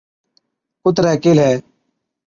ڪُتري ڪيهلَي،